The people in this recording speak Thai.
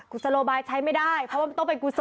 โลบายใช้ไม่ได้เพราะว่ามันต้องเป็นกุศล